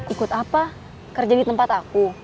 ikut apa kerja di tempat aku